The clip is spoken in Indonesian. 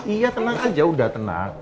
iya tenang aja udah tenang